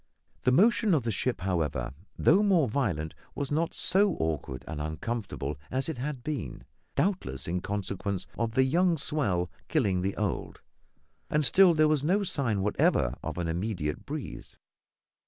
The motion of the ship, however, though more violent, was not so awkward and uncomfortable as it had been, doubtless in consequence of the young swell killing the old; and still there was no sign whatever of an immediate breeze.